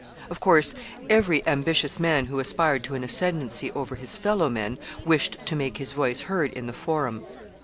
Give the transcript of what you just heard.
Of course, every ambitious man who aspired to an ascendency over his fellow men, wished to make his voice heard in the Forum.